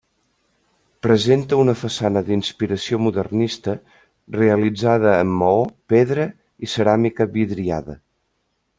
Presenta una façana d'inspiració modernista realitzada en maó, pedra i ceràmica vidriada.